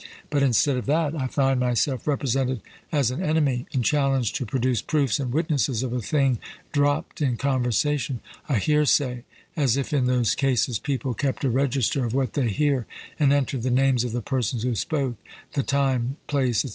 But instead of that I find myself represented as an enemy, and challenged to produce proofs and witnesses of a thing dropt in conversation, a hearsay, as if in those cases people kept a register of what they hear, and entered the names of the persons who spoke, the time, place, &c.